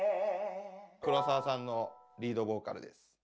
黒沢さんのリードボーカルです。